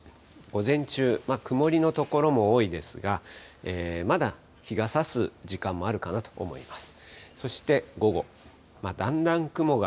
午前中、曇りの所も多いですが、まだ日がさす時間もあるかなと思います。